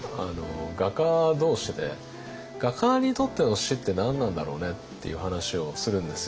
画家同士で画家にとっての死って何なんだろうねっていう話をするんですよ。